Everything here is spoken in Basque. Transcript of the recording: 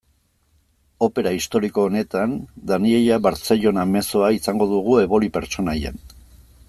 Opera historiko honetan, Daniella Barcellona mezzoa izango dugu, Eboli pertsonaian.